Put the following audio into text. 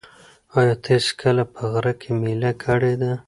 ایا تاسي کله په غره کې مېله کړې ده؟